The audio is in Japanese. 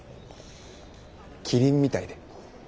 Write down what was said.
キリンみたいで。